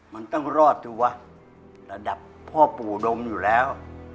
มันต้องรอดสิวะระดับพ่อปู่ดมอยู่แล้ว